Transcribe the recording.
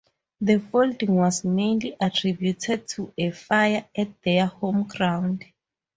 The folding was mainly attributed to a fire at their home ground.